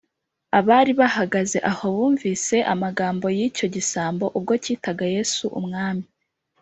abari bahagaze aho bumvise amagambo y’icyo gisambo ubwo cyitaga yesu umwami